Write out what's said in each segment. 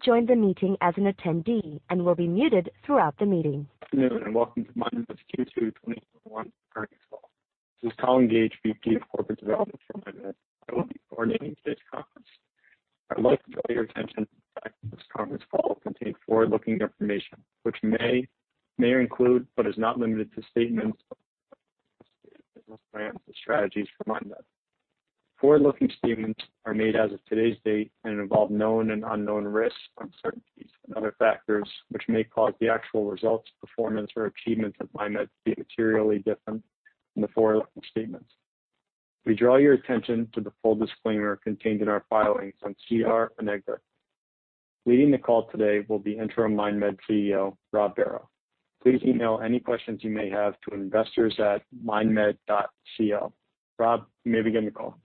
Good afternoon, and welcome to MindMed's Q2 2021 earnings call. This is Collin Gage, VP of Corporate Development for MindMed. I will be coordinating today's conference. I'd like to draw your attention to the fact that this conference call contains forward-looking information, which may include but is not limited to statements of business plans and strategies for MindMed. Forward-looking statements are made as of today's date and involve known and unknown risks, uncertainties, and other factors which may cause the actual results, performance, or achievements of MindMed to be materially different from the forward-looking statements. We draw your attention to the full disclaimer contained in our filings on SEDAR and EDGAR. Leading the call today will be Interim MindMed CEO, Rob Barrow. Please email any questions you may have to investors@mindmed.co. Rob, you may begin the call.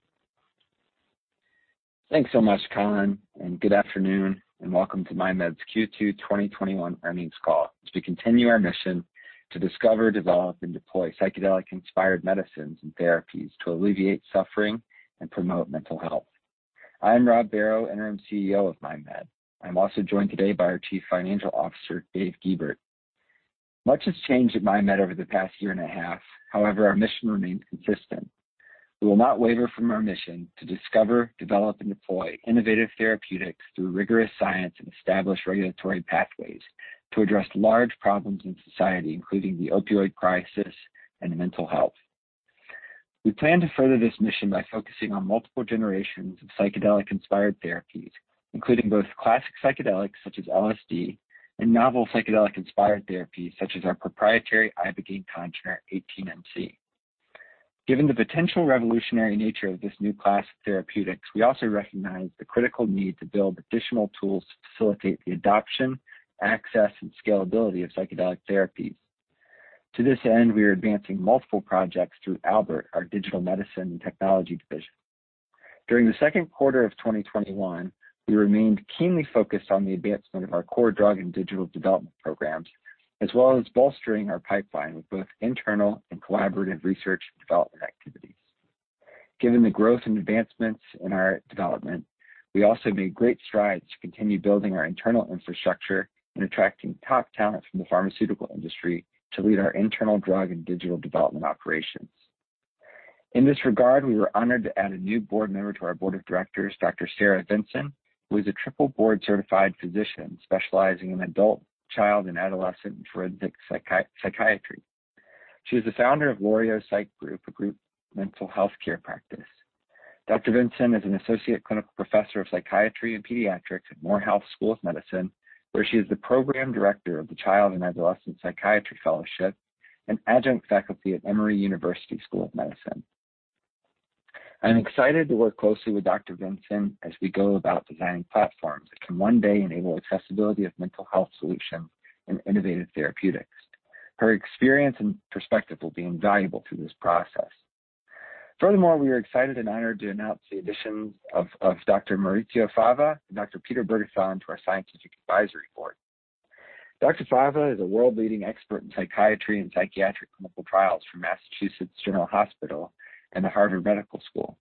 Thanks so much, Collin, and good afternoon, and welcome to MindMed's Q2 2021 earnings call as we continue our mission to discover, develop, and deploy psychedelic inspired medicines and therapies to alleviate suffering and promote mental health. I'm Rob Barrow, Interim CEO of MindMed. I'm also joined today by our Chief Financial Officer, Dave Guebert. Much has changed at MindMed over the past year and a half. However, our mission remains consistent. We will not waver from our mission to discover, develop, and deploy innovative therapeutics through rigorous science and established regulatory pathways to address large problems in society, including the opioid crisis and mental health. We plan to further this mission by focusing on multiple generations of psychedelic-inspired therapies, including both classic psychedelics such as LSD and novel psychedelic-inspired therapies such our proprietary ibogaine conjugate 18-MC. Given the potential revolutionary nature of this new class of therapeutics, we also recognize the critical need to build additional tools to facilitate the adoption, access, and scalability of psychedelic therapies. To this end, we are advancing multiple projects through Albert, our digital medicine and technology division. During the second quarter of 2021, we remained keenly focused on the advancement of our core drug and digital development programs, as well as bolstering our pipeline with both internal and collaborative research and development activities. Given the growth and advancements in our development, we also made great strides to continue building our internal infrastructure and attracting top talent from the pharmaceutical industry to lead our internal drug and digital development operations. In this regard, we were honored to add a new board member to our board of directors, Dr. Sarah Vinson, who is a triple board-certified physician specializing in adult, child, and adolescent, and forensic psychiatry. She is the founder of Lorio Psych Group, a group mental healthcare practice. Dr. Vinson is an associate clinical professor of psychiatry and pediatrics at Morehouse School of Medicine, where she is the program director of the Child and Adolescent Psychiatry Fellowship and adjunct faculty at Emory University School of Medicine. I'm excited to work closely with Dr. Vinson as we go about designing platforms that can one day enable accessibility of mental health solutions and innovative therapeutics. Her experience and perspective will be invaluable through this process. Furthermore, we are excited and honored to announce the addition of Dr. Maurizio Fava and Dr. Peter Bergethon to our scientific advisory board. Dr. Fava is a world-leading expert in psychiatry and psychiatric clinical trials from Massachusetts General Hospital and Harvard Medical School.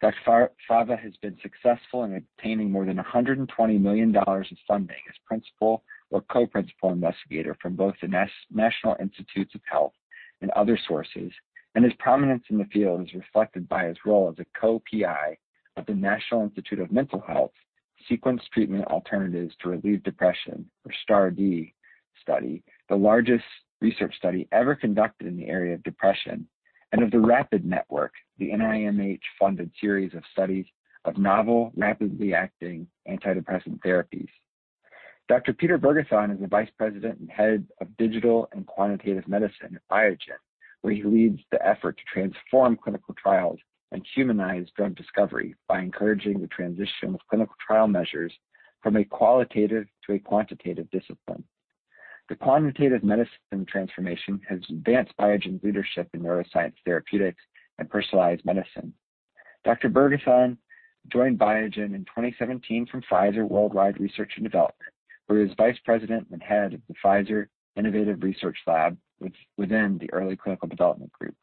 Dr. Fava has been successful in obtaining more than $120 million of funding as principal or co-principal investigator from both the National Institutes of Health and other sources, and his prominence in the field is reflected by his role as a Co-PI of the National Institute of Mental Health Sequenced Treatment Alternatives to Relieve Depression, or STAR*D study, the largest research study ever conducted in the area of depression, and of the RAPID Network, the NIMH-funded series of studies of novel rapidly acting antidepressant therapies. Dr. Peter Bergethon is the Vice President and Head of Digital and Quantitative Medicine at Biogen, where he leads the effort to transform clinical trials and humanize drug discovery by encouraging the transition of clinical trial measures from a qualitative to a quantitative discipline. The Quantitative Medicine transformation has advanced Biogen's leadership in neuroscience therapeutics and personalized medicine. Dr. Bergethon joined Biogen in 2017 from Pfizer Worldwide Research & Development, where he was Vice President and Head of the Pfizer Innovation Research Laboratory within the early clinical development group.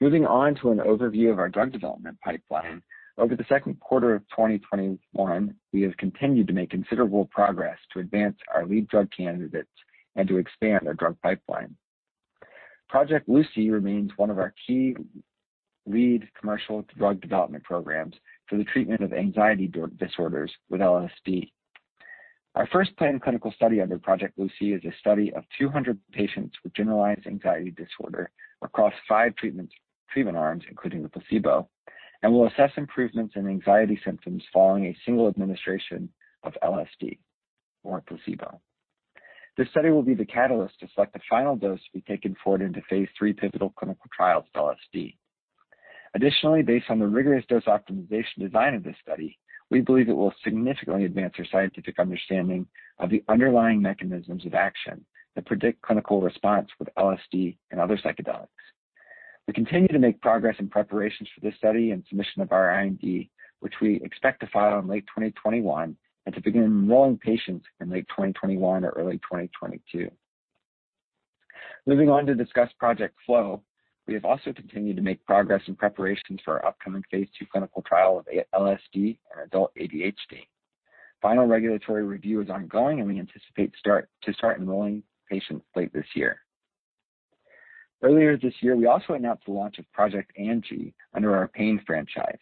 Moving on to an overview of our drug development pipeline. Over the second quarter of 2021, we have continued to make considerable progress to advance our lead drug candidates and to expand our drug pipeline. Project Lucy remains one of our key lead commercial drug development programs for the treatment of anxiety disorders with LSD. Our first planned clinical study under Project Lucy is a study of 200 patients with generalized anxiety disorder across five treatment arms, including the placebo, and will assess improvements in anxiety symptoms following a single administration of LSD or a placebo. This study will be the catalyst to select the final dose to be taken forward into phase III pivotal clinical trials of LSD. Additionally, based on the rigorous dose optimization design of this study, we believe it will significantly advance our scientific understanding of the underlying mechanisms of action that predict clinical response with LSD and other psychedelics. We continue to make progress in preparations for this study and submission of our IND, which we expect to file in late 2021 and to begin enrolling patients in late 2021 or early 2022. Moving on to discuss Project Flow, we have also continued to make progress in preparations for our upcoming phase II clinical trial of LSD in adult ADHD. Final regulatory review is ongoing, and we anticipate to start enrolling patients late this year. Earlier this year, we also announced the launch of Project Angie under our pain franchise.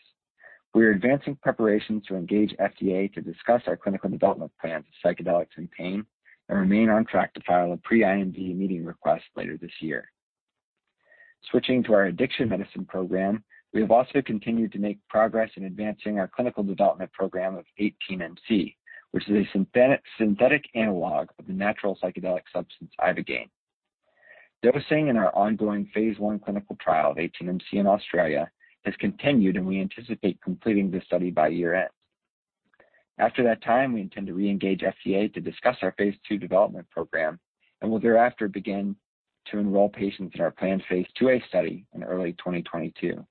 We are advancing preparations to engage FDA to discuss our clinical development plans for psychedelics and pain, and remain on track to file a pre-IND meeting request later this year. Switching to our addiction medicine program, we have also continued to make progress in advancing our clinical development program of 18-MC, which is a synthetic analog of the natural psychedelic substance ibogaine. Dosing in our ongoing phase I clinical trial of 18-MC in Australia has continued. We anticipate completing this study by year-end. After that time, we intend to re-engage FDA to discuss our phase II development program and will thereafter begin to enroll patients in our planned phase IIa study in early 2022.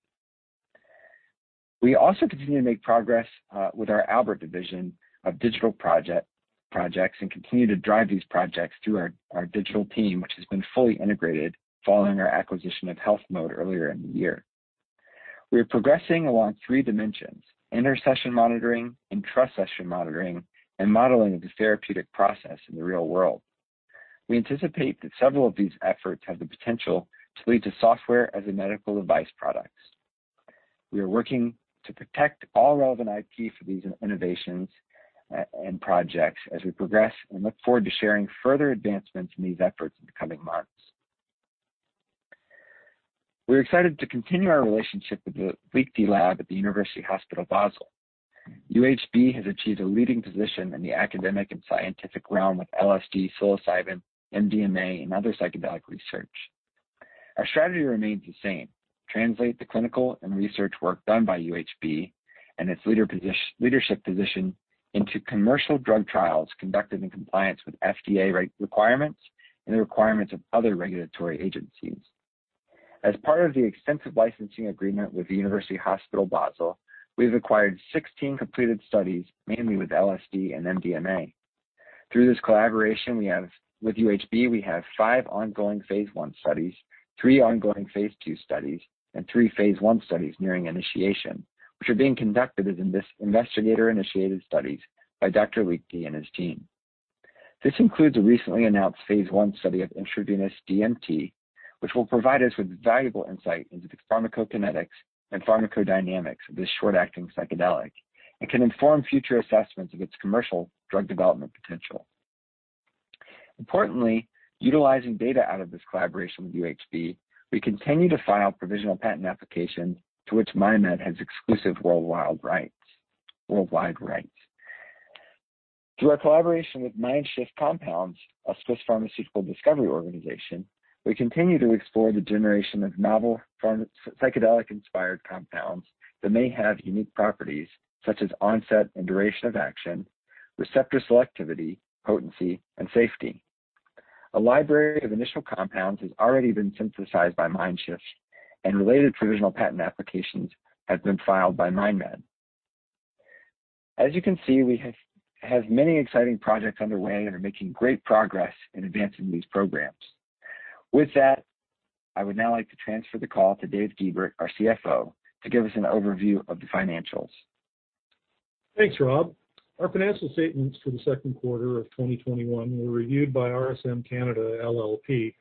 We also continue to make progress with our Albert division of digital projects and continue to drive these projects through our digital team, which has been fully integrated following our acquisition of HealthMode earlier in the year. We are progressing along three dimensions, inter-session monitoring, intra-session monitoring, and modeling of the therapeutic process in the real world. We anticipate that several of these efforts have the potential to lead to software as a medical device products. We are working to protect all relevant IP for these innovations and projects as we progress and look forward to sharing further advancements in these efforts in the coming months. We are excited to continue our relationship with the Liechti Lab at the University Hospital Basel. UHB has achieved a leading position in the academic and scientific realm with LSD, psilocybin, MDMA, and other psychedelic research. Our strategy remains the same, translate the clinical and research work done by UHB and its leadership position into commercial drug trials conducted in compliance with FDA requirements and the requirements of other regulatory agencies. As part of the extensive licensing agreement with the University Hospital Basel, we've acquired 16 completed studies, mainly with LSD and MDMA. Through this collaboration with UHB, we have five ongoing phase I studies, three ongoing phase II studies, and three phase I studies nearing initiation, which are being conducted as investigator-initiated studies by Dr. Liechti and his team. This includes a recently announced phase I study of intravenous DMT, which will provide us with valuable insight into the pharmacokinetics and pharmacodynamics of this short-acting psychedelic and can inform future assessments of its commercial drug development potential. Importantly, utilizing data out of this collaboration with UHB, we continue to file provisional patent applications to which MindMed has exclusive worldwide rights. Through our collaboration with MindShift Compounds, a Swiss pharmaceutical discovery organization, we continue to explore the generation of novel psychedelic-inspired compounds that may have unique properties, such as onset and duration of action, receptor selectivity, potency, and safety. A library of initial compounds has already been synthesized by MindShift. Related provisional patent applications have been filed by Definium. As you can see, we have many exciting projects underway and are making great progress in advancing these programs. With that, I would now like to transfer the call to Dave Guebert, our CFO, to give us an overview of the financials. Thanks, Rob. Our financial statements for the second quarter of 2021 were reviewed by RSM Canada LLP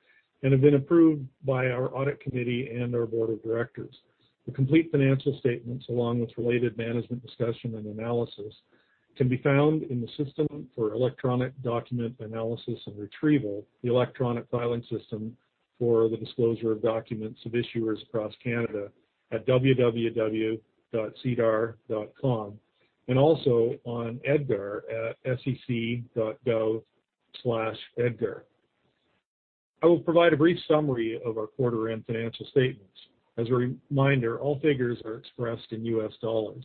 and have been approved by our audit committee and our board of directors. The complete financial statements, along with related management discussion and analysis, can be found in the System for Electronic Document Analysis and Retrieval, the electronic filing system for the disclosure of documents of issuers across Canada at www.sedar.com and also on EDGAR at sec.gov/edgar. I will provide a brief summary of our quarter-end financial statements. As a reminder, all figures are expressed in US dollars.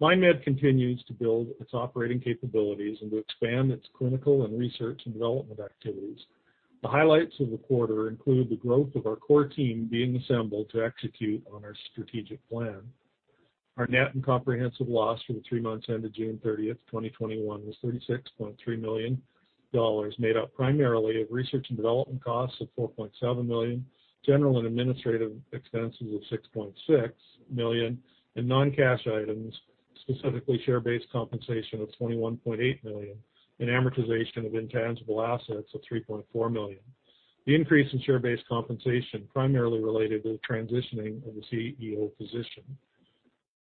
MindMed continues to build its operating capabilities and to expand its clinical, research, and development activities. The highlights of the quarter include the growth of our core team being assembled to execute on our strategic plan. Our net and comprehensive loss for the three months ended June 30th, 2021, was $36.3 million, made up primarily of research and development costs of $4.7 million, general and administrative expenses of $6.6 million, and non-cash items, specifically share-based compensation of $21.8 million and amortization of intangible assets of $3.4 million. The increase in share-based compensation primarily related to the transitioning of the CEO position.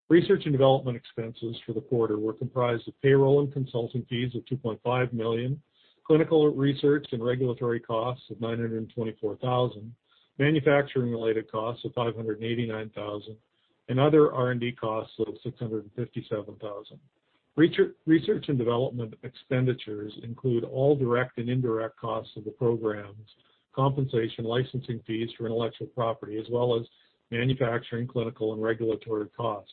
Research and development expenses for the quarter were comprised of payroll and consulting fees of $2.5 million, clinical research and regulatory costs of $924,000, manufacturing-related costs of $589,000, and other R&D costs of $657,000. Research and Development expenditures include all direct and indirect costs of the programs, compensation, licensing fees for intellectual property as well as manufacturing, clinical, and regulatory costs.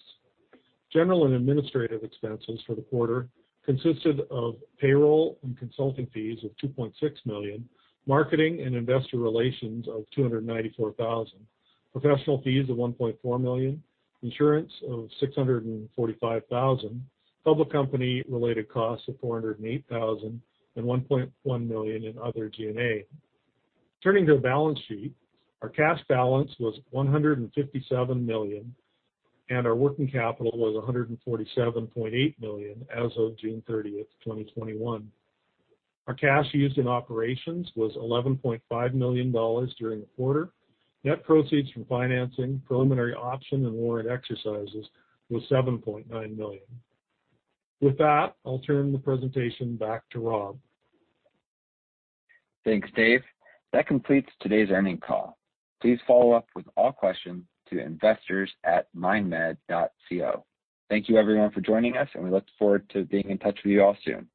General and administrative expenses for the quarter consisted of payroll and consulting fees of $2.6 million, marketing and investor relations of $294,000, professional fees of $1.4 million, insurance of $645,000, public company-related costs of $408,000, and $1.1 million in other G&A. Turning to the balance sheet, our cash balance was $157 million, and our working capital was $147.8 million as of June 30th, 2021. Our cash used in operations was $11.5 million during the quarter. Net proceeds from financing, preliminary option, and warrant exercises was $7.9 million. With that, I'll turn the presentation back to Rob. Thanks, Dave. That completes today's earnings call. Please follow up with all questions to investors@mindmed.co. Thank you everyone for joining us. We look forward to being in touch with you all soon.